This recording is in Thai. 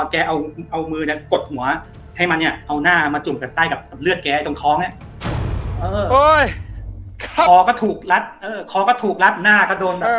แกเอามือกดหัวให้มันน่ะเอาหน้ามาจุดกับไส้เลือดแกอยังตรงท้อง